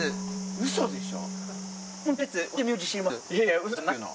ウソでしょ？